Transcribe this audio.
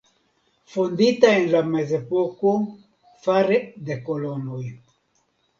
Fondita en la Mezepoko fare de kolonoj.